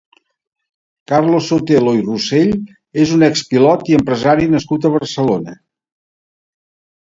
Carlos Sotelo i Rosell és un expilot i empresari nascut a Barcelona.